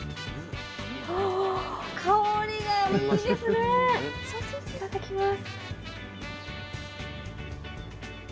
いただきます。